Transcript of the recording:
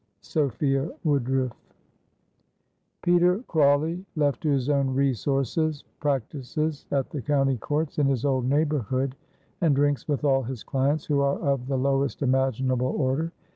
Sophia Woodrooffe. Peter Crawley, left to his own resources, practices at the County Courts in his old neighborhood, and drinks with all his clients, who are of the lowest imaginable order.